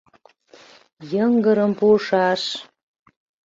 Йыҥгырым пуышаш.